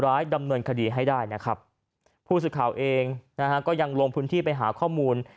ร้ายดำเนินคดีให้ได้นะครับผู้สื่อข่าวเองนะฮะก็ยังลงพื้นที่ไปหาข้อมูล